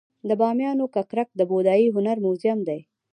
د بامیانو ککرک د بودايي هنر موزیم دی